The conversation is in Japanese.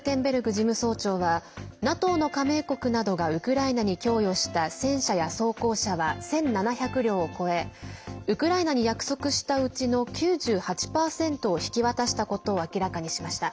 事務総長はＮＡＴＯの加盟国などがウクライナに供与した戦車や装甲車は１７００両を超えウクライナに約束したうちの９８％を引き渡したことを明らかにしました。